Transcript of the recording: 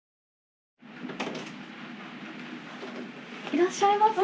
いらっしゃいませ。